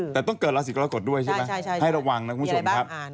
แต่ต้องเกิดราศีกรกฎด้วยใช่ไหมให้ระวังนะคุณผู้ชมครับ